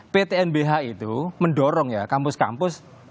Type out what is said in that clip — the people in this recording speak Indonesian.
pt nbh itu mendorong ya kampus kampus